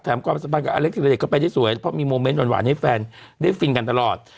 ความสัมพันธ์กับอเล็กทีละเด็กก็ไปได้สวยเพราะมีโมเมนต์หวานให้แฟนได้ฟินกันตลอด